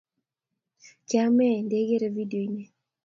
kyameey, ndegeree vidioit ni